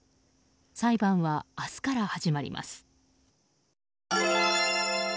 裁判は明日から始まります。